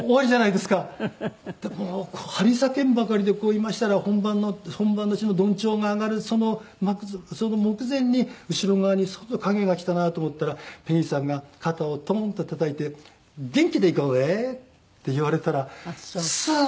もう張り裂けんばかりでいましたら本番のそのどんちょうが上がるその目前に後ろ側にそっと影が来たなと思ったらペギーさんが肩をトンッとたたいて「元気でいこうね！」って言われたらスーッと引いて。